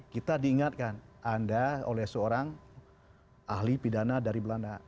kita diingatkan anda oleh seorang ahli pidana dari belanda